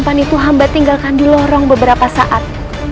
panggil ratu kendriman